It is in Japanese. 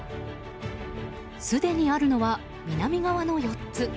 すでにあるのは、南側の４つ。